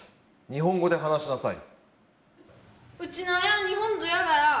日本語で話しなさい！